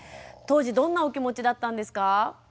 当時どんなお気持ちだったんですか？